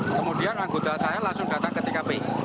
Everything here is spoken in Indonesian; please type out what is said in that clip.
kemudian anggota saya langsung datang ke tkp